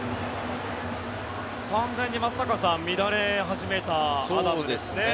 完全に松坂さん乱れ始めたアダムですね。